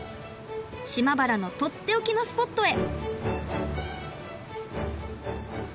島原のとっておきのスポットへ。